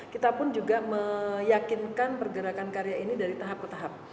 kita pun juga meyakinkan pergerakan karya ini dari tahap ke tahap